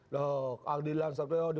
loh keadilan seperti itu